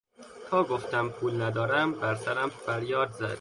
تا گفتم پول ندارم بر سرم فریاد زد.